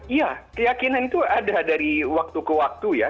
iya keyakinan itu ada dari waktu ke waktu ya